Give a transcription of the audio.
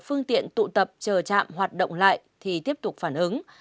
phương tiện tụ tập chờ trạm hoạt động lại thì tiếp tục phản ứng